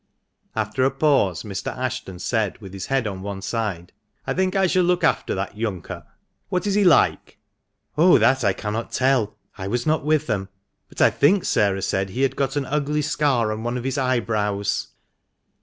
After a pause, Mr. Ashton said, with his head on one side, —" I think I shall look after that younker. What is he like?" THE MANCHESTER MAN. 109 " Oh ! that I cannot tell ; I was not with them. But I think Sarah said he had got an ugly scar on one of his eyebrows."